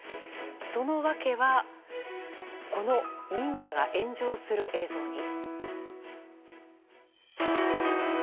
その訳はこの民家が炎上する映像に。